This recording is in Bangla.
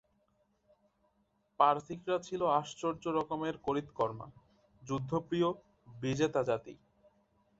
পারসীকরা ছিল আশ্চর্যরকমে করিতকর্মা, যুদ্ধপ্রিয়, বিজেতা জাতি।